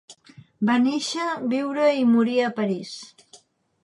Va néixer, viure i morir a París.